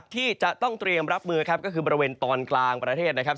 ที่จะต้องเตรียมรับมือครับก็คือบริเวณตอนกลางประเทศนะครับ